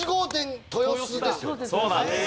そうなんです。